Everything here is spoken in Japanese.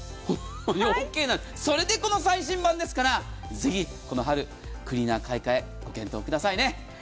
これでこの最新版ですから、ぜひこの春、クリーナーの買い替えご検討くださいね。